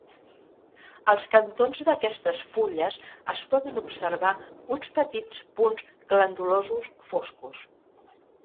Als cantons d'aquestes fulles es poden observar uns petits punts glandulosos foscos.